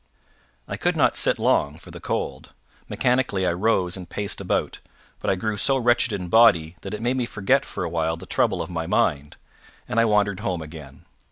I could not sit long for the cold. Mechanically I rose and paced about. But I grew so wretched in body that it made me forget for a while the trouble of my mind, and I wandered home again.